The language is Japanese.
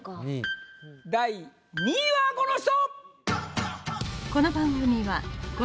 第２位はこの人！